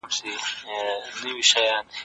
محصلین په ټولګي کې د سیاستپوهنې پر وېش خبرې کوي.